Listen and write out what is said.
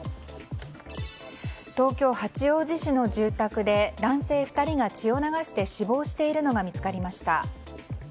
東京・八王子市の住宅で男性２人が血を流して死亡しているのが見つかりました。